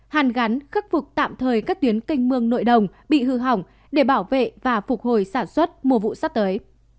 hàn gắn khắc phục tạm thời các tuyến canh mương nội đồng bị hư hỏng để bảo vệ và phục hồi sản xuất mùa vụ sắp tới